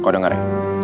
kau dengar ya